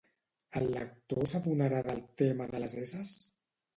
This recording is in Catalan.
El lector s'adonarà del tema de les esses?